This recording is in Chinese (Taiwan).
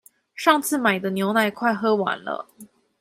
上次買的牛奶快喝完了